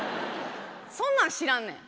そんなん知らんねん。